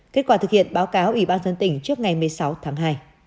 kết quả thực hiện báo cáo ủy ban dân tỉnh trước ngày một mươi sáu tháng hai